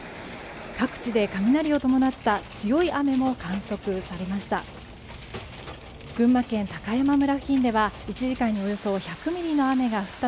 各地で雷を伴った強い雨も観測されました。